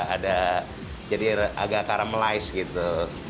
ada jadi agak paramelized gitu